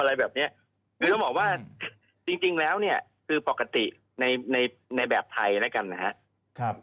แต่ว่าจริงแล้วเนี่ยคือปกติในแบบไทยนะครับ